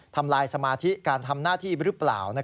ทำลายสมาธิการทำหน้าที่หรือเปล่า